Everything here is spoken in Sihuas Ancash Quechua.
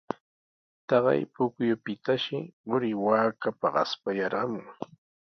Taqay pukyupitashi quri waaka paqaspa yarqamun.